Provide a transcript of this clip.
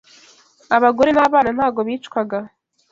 abagore n’abana ntago bicwaga